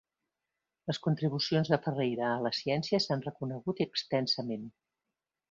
Les contribucions de Ferreira a la ciència s'han reconegut extensament.